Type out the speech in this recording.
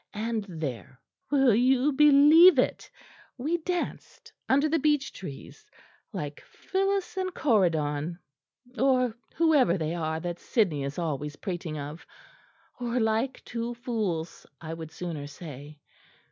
And there will you believe it? we danced under the beech trees like Phyllis and Corydon, or whoever they are that Sidney is always prating of; or like two fools, I would sooner say.